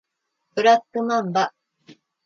ブラックマンバ